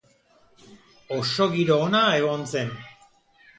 Oso giro ona egon zen.